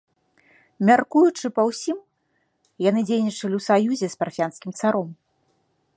Мяркуючы па ўсім, яны дзейнічалі ў саюзе з парфянскім царом.